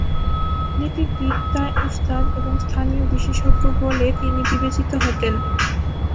লিপি বিদ্যায় উস্তাদ এবং স্থানীয় বিশেষজ্ঞ বলে তিনি বিবেচিত হতেন।